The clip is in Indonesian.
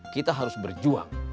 kita harus berjuang